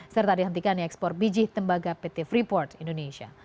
serta dihentikan ekspor biji tembaga pt freeport indonesia